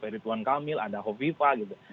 ferry tuan kamil ada hoviva gitu